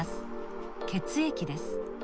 血液です。